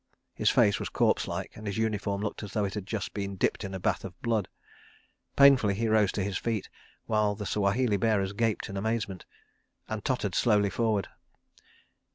His face was corpse like, and his uniform looked as though it had just been dipped in a bath of blood. Painfully he rose to his feet, while the Swahili bearers gaped in amazement, and tottered slowly forward.